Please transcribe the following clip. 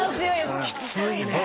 きついね。